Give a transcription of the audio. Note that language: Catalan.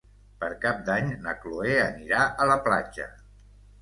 Per Cap d'Any na Cloè anirà a la platja.